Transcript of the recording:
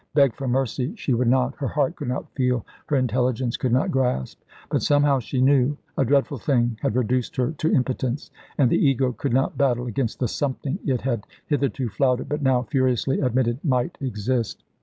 Beg for mercy she would not: her heart could not feel, her intelligence could not grasp. But, somehow, she knew. A dreadful thing had reduced her to impotence, and the ego could not battle against the Something it had hitherto flouted, but now furiously admitted might exist.